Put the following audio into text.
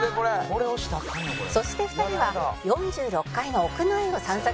「そして２人は４６階の屋内を散策する事に」